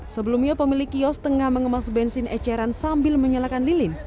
sebelumnya pemilik kios tengah mengemas bensin eceran sambil menyalakan lilin